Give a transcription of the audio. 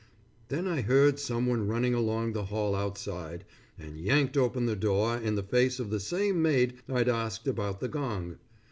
Then I heard someone running along the hall outside, and yanked open the door in the face of the same maid I'd asked about the gong.